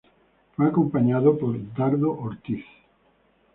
Fue acompañado por Dardo Ortiz.